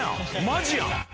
マジやん！